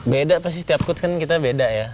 beda pasti setiap kuots kan kita beda ya